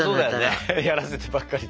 やらせてばっかりじゃね。